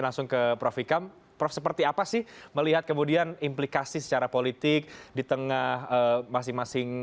langsung ke prof ikam prof seperti apa sih melihat kemudian implikasi secara politik di tengah masing masing